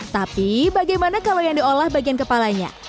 tapi bagaimana kalau yang diolah bagian kepalanya